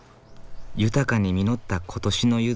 豊かに実った今年のゆず。